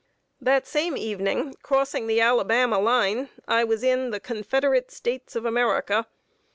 The same evening, crossing the Alabama line, I was in the "Confederate States of America."